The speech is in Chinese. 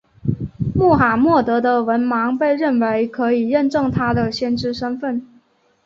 穆罕默德的文盲被认为可以认证他的先知身份。